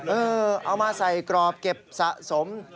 เอามาใส่กรอบเก็บสะสม